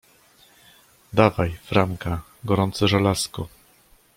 Dawaj, Franka, gorące żelazko.